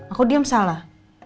aku diem salah